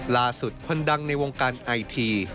ล่าสุดคนดังในวงการไอที